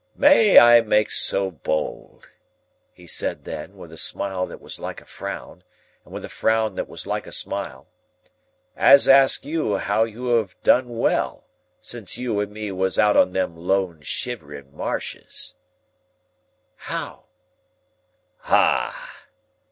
"May I make so bold," he said then, with a smile that was like a frown, and with a frown that was like a smile, "as ask you how you have done well, since you and me was out on them lone shivering marshes?" "How?"